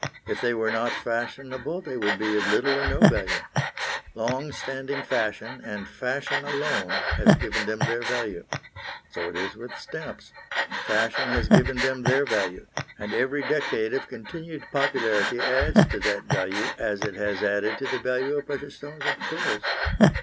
If they were not fashionable they would be of little or no value. Long standing fashion, and fashion alone, has given them their value. So it is with stamps; fashion has given them their value, and every decade of continued popularity adds to that value as it has added to the value of precious stones and pearls.